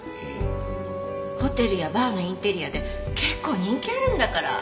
ホテルやバーのインテリアで結構人気あるんだから。